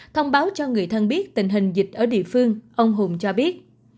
thông báo cho người thân biết tình hình dịch ở địa phương ông hùng cho biết